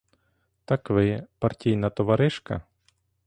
Так ви — партійна товаришка?